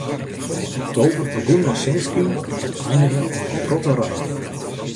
Oktober begûn mei sinneskyn en einige mei in protte rein.